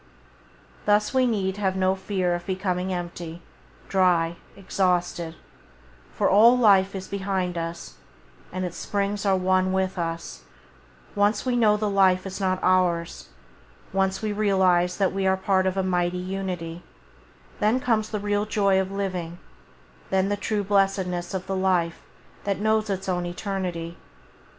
Thus we need have no fear of becoming empty, dry, exhausted; for all life is behind us, and its springs are one with us; once we know the life is not ours, once we realize that we are part of a mighty unity, then comes the real joy of living, then the true blessedness of the life that knows its own eternity.